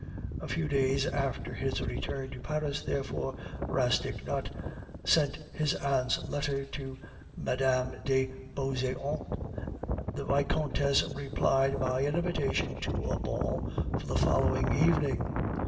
A few days after his return to Paris, therefore, Rastignac sent his aunt's letter to Mme. de Beauseant. The Vicomtesse replied by an invitation to a ball for the following evening.